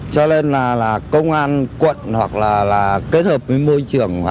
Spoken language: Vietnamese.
cho nên là công an quận hoặc là kết hợp với môi trường